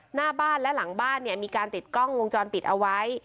หน้าบ้านและหลังบ้านเนี่ยมีการติดกล้องวงจรปิดเอาไว้